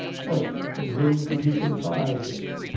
But in whom could he confide?